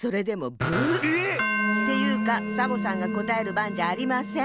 えっ⁉っていうかサボさんがこたえるばんじゃありません。